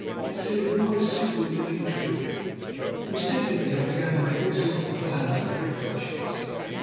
It seemed almost too good to be true. Instinctively I began to make all sorts of plans and preparations.